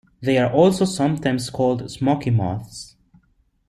They are also sometimes called smoky moths.